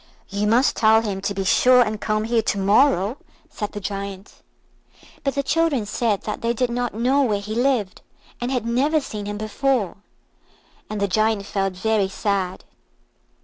"You must tell him to be sure and come here to morrow," said the Giant. But the children said that they did not know where he lived, and had never seen him before; and the Giant felt very sad.